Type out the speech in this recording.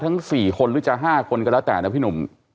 ทั้ง๔คนหรือจะ๕คนก็แล้วแต่นะพี่หนุ่ม